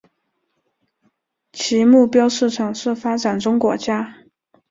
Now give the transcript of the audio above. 其目标市场是发展中国家。